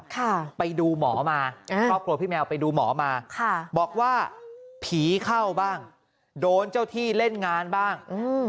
ข้อบพวงงพี่แมวไปดูหมอมาบอกว่าผีเข้าบ้างโดนเจ้าที่เล่นงานบ้าง